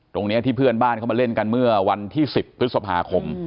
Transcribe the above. ตรงนี้ที่เพื่อนบ้านเขามาเล่นกันเมื่อวันที่๑๐พฤษภาคม